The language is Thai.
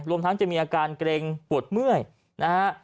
รวมทั้งจะมีอาการเกร็งปวดเมื่อยนะฮะ